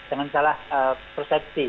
jangan salah persepsi